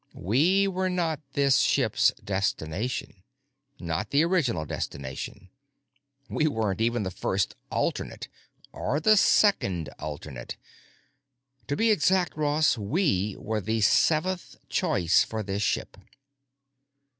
We were not this ship's destination! Not the original destination. We weren't even the first alternate—or the second alternate. To be exact, Ross, we were the seventh choice for this ship."